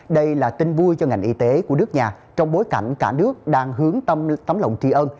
đây là tin vui cho ngành y tế của nước nhà trong bối cảnh cả nước đang hướng tâm lòng tri ân